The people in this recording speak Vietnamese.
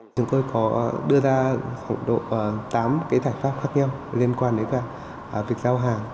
chúng tôi có đưa ra khoảng độ tám cái giải pháp khác nhau liên quan đến việc giao hàng